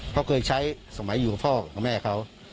พ่อเคยใช้สมัยอยู่กับพ่อและแม่เขา